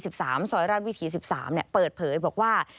ซอยราชวิถี๑๓เปิดเผยบอกว่า